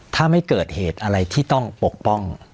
ถ้าไม่เกิดเหตุอะไรที่ต้องปกป้อง